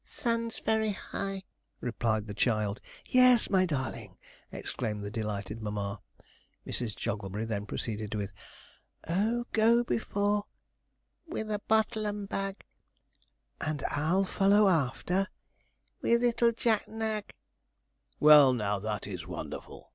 'Sun's very high,' replied the child. 'Yes, my darling!' exclaimed the delighted mamma. Mrs. Jogglebury then proceeded with: 'Ou go before ' CHILD. 'With bottle and bag,' MAMMA. 'And I'll follow after ' CHILD. 'With 'ittle Jack Nag.' 'Well now, that is wonderful!'